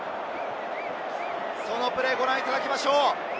そのプレーをご覧いただきましょう。